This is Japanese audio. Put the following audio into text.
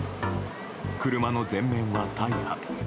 車の前面は大破。